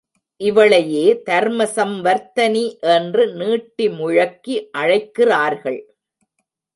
இவளையே தர்ம சம்வர்த்தனி என்று நீட்டி முழக்கி அழைக்கிறார்கள்.